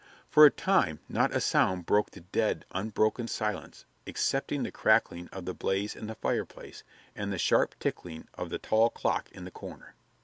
For a time not a sound broke the dead, unbroken silence excepting the crackling of the blaze in the fireplace and the sharp ticking of the tall clock in the corner.